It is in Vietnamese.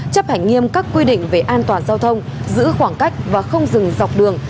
chấp hành nghiêm các quy định về an toàn giao thông giữ khoảng cách và không dừng dọc đường